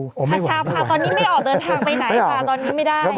ชาพาตอนนี้ไม่ออกเดินทางไปไหนค่ะตอนนี้ไม่ได้